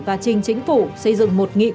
và trình chính phủ xây dựng một nghị quản lý